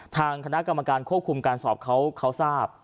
ทางคณะกรรมการควบคุมการสอบเขาทราบ